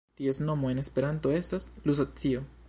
Ties nomo en Esperanto estas Luzacio.